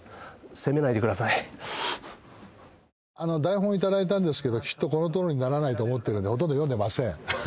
台本頂いたんですけどきっとこのとおりにならないと思ってるんでほとんど読んでません。